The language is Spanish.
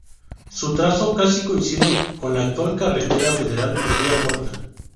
Su trazo casi coincide con la actual carretera federal por vía corta.